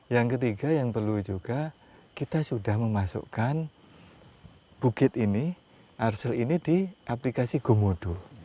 yang ketiga yang perlu juga kita sudah memasukkan bukit ini arsel ini di aplikasi gomodo